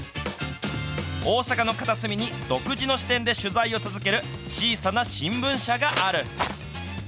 大阪の片隅に、独自の視点で取材を続ける小さな新聞社がある。